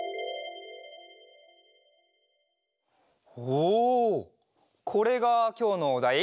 おおこれがきょうのおだい？